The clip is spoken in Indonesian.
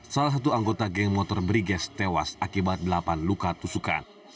salah satu anggota geng motor briges tewas akibat delapan luka tusukan